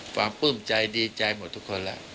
ความปลื้มใจดีใจหมดทุกคนล่ะ